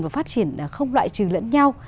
và phát triển không loại trừ lẫn nhau